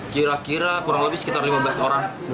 kira kira kurang lebih sekitar lima belas orang